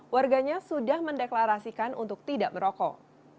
warganya sudah mendeklarasikan untuk tidak merokok